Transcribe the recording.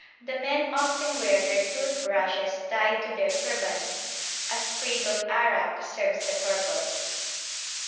The men often wear their tooth brushes tied to their turbans; a sprig of arrack serves the purpose.